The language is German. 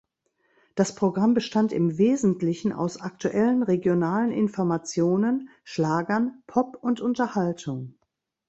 Das Programm bestand im Wesentlichen aus aktuellen regionalen Informationen, Schlagern, Pop und Unterhaltung.